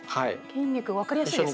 筋肉分かりやすいですね。